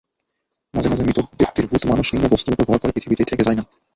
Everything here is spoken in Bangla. মাঝে মাঝে মৃত ব্যক্তির ভূত মানুষ কিংবা বস্তুর ওপর ভর করে পৃথিবীতেই থেকে যায়।